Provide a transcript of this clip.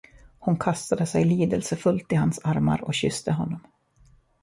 Hon kastade sig lidelsefullt i hans armar och kysste honom.